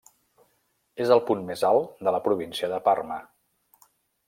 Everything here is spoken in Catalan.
És el punt més alt de la província de Parma.